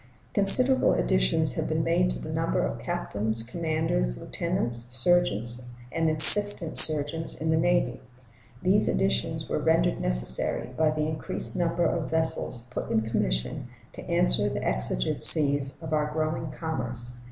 Considerable additions have been made to the number of captains, commanders, lieutenants, surgeons, and assistant surgeons in the Navy. These additions were rendered necessary by the increased number of vessels put in commission to answer the exigencies of our growing commerce.